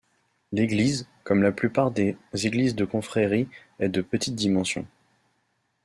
L'église, comme la plupart des églises de confréries, est de petites dimensions.